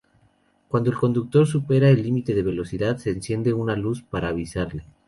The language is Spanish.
Cuando el conductor supera el límite de velocidad se enciende una luz para avisarle.